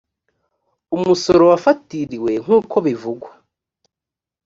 umusoro wafatiriwe nk uko bivugwa